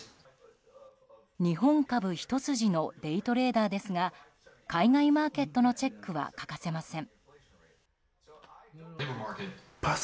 日本株ひと筋のデイトレーダーですが海外マーケットのチェックは欠かせません。